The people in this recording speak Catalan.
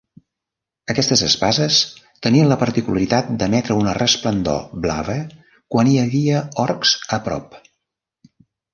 Aquestes espases tenien la particularitat d'emetre una resplendor blava quan hi havia orcs a prop.